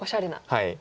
はい。